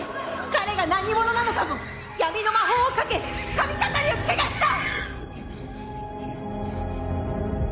彼が何者なのかも闇の魔法をかけ髪飾りを汚した！